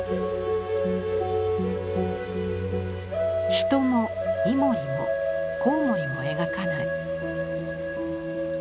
人もイモリも蝙蝠も描かない。